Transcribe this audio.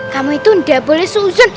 kamu itu udah boleh susun